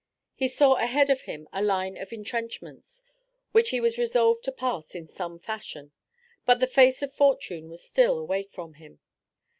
He saw ahead of him a line of intrenchments, which he was resolved to pass in some fashion, but the face of fortune was still away from him.